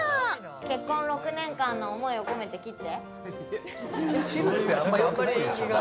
結婚６年間の思いを込めて切って。